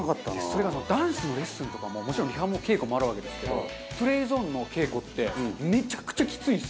それがダンスのレッスンとかももちろんリハも稽古もあるわけですけど『ＰＬＡＹＺＯＮＥ』の稽古ってめちゃくちゃきついんですよ。